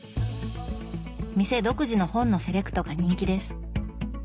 店独自の本のセレクトが人気です。